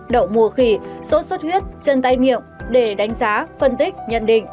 đậu mùa khỉ số suất huyết chân tay miệng để đánh giá phân tích nhận định